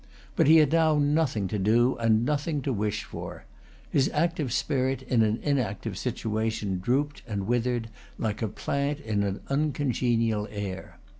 But he had now nothing to do, and nothing to wish for. His active spirit in an inactive situation drooped and withered like a plant in an uncongenial air.